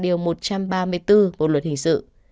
theo quy định tại điều một trăm ba mươi bốn bộ luật hình sự